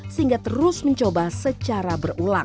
sehingga terus mencoba secara berulang